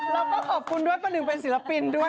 แล้วก็ขอบคุณด้วยประหนึ่งเป็นศิลปินด้วย